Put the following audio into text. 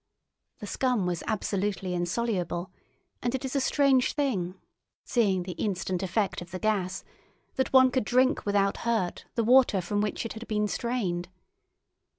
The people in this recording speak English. The scum was absolutely insoluble, and it is a strange thing, seeing the instant effect of the gas, that one could drink without hurt the water from which it had been strained.